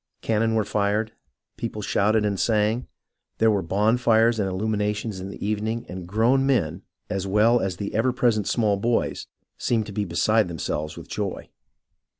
Cannon were fired, people shouted and sang. There were bonfires and illuminations in the evening, and grown men, as well as the ever present small boys, seemed to be beside them selves M'ith joy.